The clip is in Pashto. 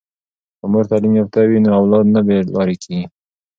که مور تعلیم یافته وي نو اولاد نه بې لارې کیږي.